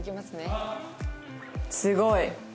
すごい。